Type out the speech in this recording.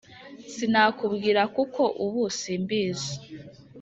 sinakubwira kuko ubu simbizi